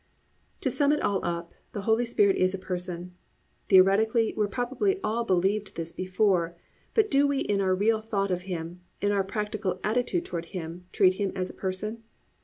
To sum it all up, the Holy Spirit is a Person. Theoretically we probably all believed this before, but do we in our real thought of Him, in our practical attitude toward Him, treat Him as a person?